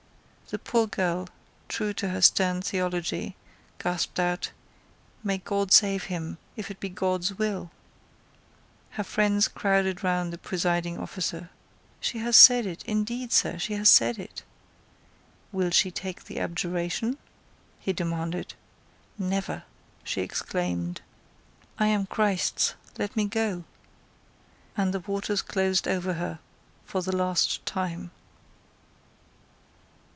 The poor girl, true to her stern theology, gasped out, "May God save him, if it be God's will!" Her friends crowded round the presiding officer. "She has said it; indeed, sir, she has said it." "Will she take the abjuration?" he demanded. "Never!" she exclaimed. "I am Christ's: let me go!" And the waters closed over her for the last time.